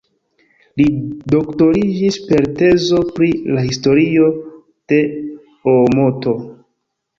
Li doktoriĝis per tezo pri la historio de Oomoto.